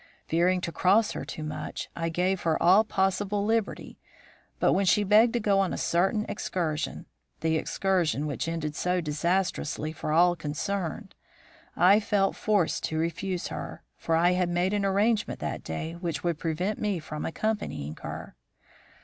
Fearing to cross her too much, I gave her all possible liberty, but when she begged to go on a certain excursion the excursion which ended so disastrously for all concerned I felt forced to refuse her, for I had made an arrangement that day which would prevent me from accompanying her.